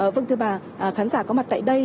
vâng thưa bà khán giả có mặt tại đây